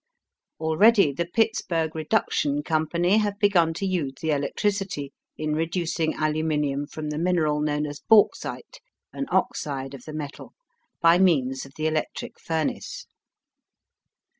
Already the Pittsburg Reduction Company have begun to use the electricity in reducing aluminum from the mineral known as bauxite, an oxide of the metal, by means of the electric furnace.